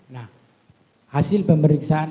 nah hasil pemeriksaan